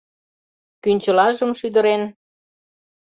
Кӱнчылажым шӱдырен